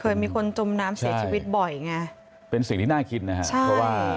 เคยมีคนจมน้ำเสียชีวิตบ่อยไงเป็นสิ่งที่น่ากินนะฮะใช่เพราะว่า